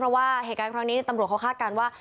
เพราะว่าเหตุการณ์ครั้งนี้ตำรวจเขาคาดการณ์ว่า